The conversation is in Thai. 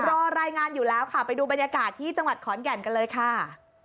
รอรายงานอยู่แล้วค่ะไปดูบรรยากาศที่จังหวัดขอนแก่นกันเลยค่ะ